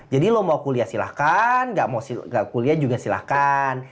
jadi lo mau kuliah silahkan gak mau kuliah juga silahkan